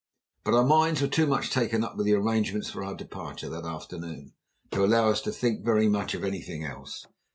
But our minds were too much taken up with the arrangements for our departure that afternoon to allow us to think very much of anything else.